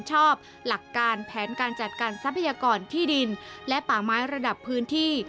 ชอบหลักการแผนการจัดการทรัพยากรที่ดินและป่าไม้ระดับพื้นที่